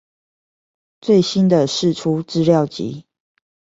最新的釋出資料集